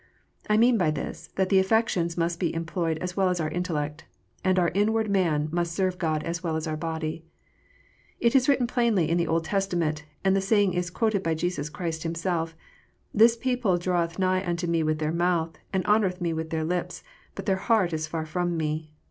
I mean by this, that the affections must be employed as well as our intellect, and our inward man must serve God as well as our body. It is written plainly in the Old Testament, and the saying is quoted by Jesus Christ Himself :" This people draweth nigh to Me with their mouth, and honoureth Me with their lips ; but their heart is far from Me.